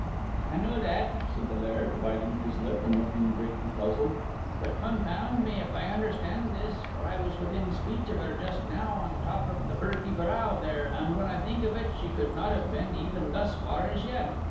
"I know that," said the Laird, biting his lip and looking greatly puzzled; "but confound me if I understand this; for I was within speech of her just now on the top of the Birky Brow there, and, when I think of it, she could not have been even thus far as yet.